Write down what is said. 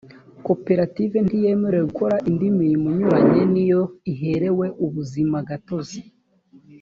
koperative ntiyemerewe gukora indi mirimo inyuranye n’iyo iherewe ubuzimagatozi